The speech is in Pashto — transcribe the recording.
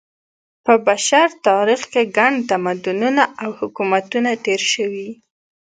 په بشر تاریخ کې ګڼ تمدنونه او حکومتونه تېر شوي.